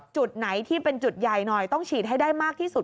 จุดไหนที่เป็นจุดใหญ่หน่อยต้องฉีดให้ได้มากที่สุด